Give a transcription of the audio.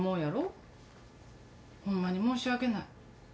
ホンマに申し訳ない。